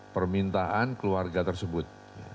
permintaan keluarga tersebut